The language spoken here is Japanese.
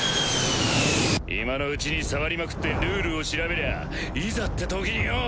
今のうちに触りまくってルールを調べりゃいざってときによぉ。